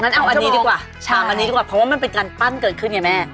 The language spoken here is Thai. เอาอันนี้ดีกว่าชามอันนี้ดีกว่าเพราะว่ามันเป็นการปั้นเกิดขึ้นไงแม่